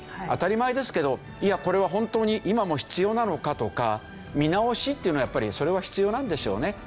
当たり前ですけどいやこれは本当に今も必要なのかとか見直しというのはやっぱりそれは必要なんでしょうね。